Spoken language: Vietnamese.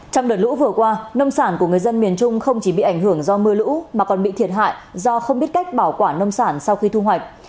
trong đợt lũ vừa qua nông sản của người dân miền trung không chỉ bị ảnh hưởng do mưa lũ mà còn bị thiệt hại do không biết cách bảo quản nông sản sau khi thu hoạch